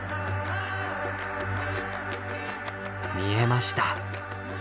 見えました。